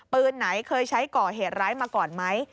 ปืนไหนเคยใช้ก่อเหตุร้ายมาก่อนไหม